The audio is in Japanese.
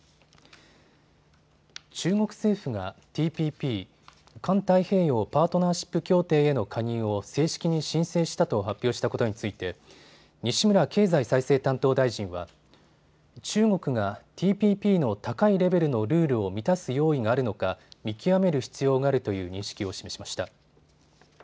中国政府がＴＰＰ・環太平洋パートナーシップ協定への加入を正式に申請したと発表したことについて西村経済再生担当大臣は中国がＴＰＰの高いレベルのルールを満たす用意があるのか見極める必要があるという認識を示しました。